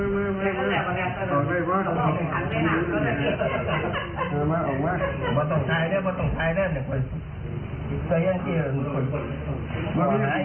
เต็ม